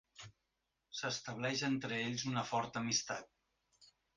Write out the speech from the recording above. S'estableix entre ells una forta amistat.